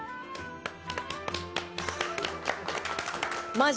マジ。